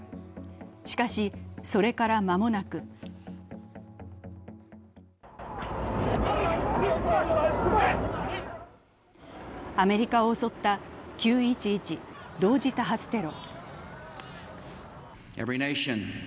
しかし、それから間もなくアメリカを襲った９・１１同時多発テロ。